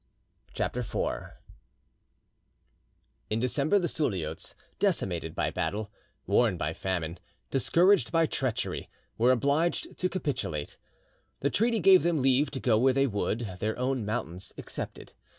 CHAPTER IV In December, the Suliots, decimated by battle, worn by famine, discouraged by treachery, were obliged to capitulate. The treaty gave them leave to go where they would, their own mountains excepted.